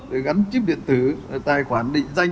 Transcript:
để gắn chip điện tử tài khoản định danh